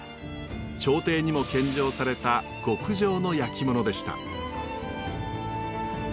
朝廷にも献上された極上の焼き物でした。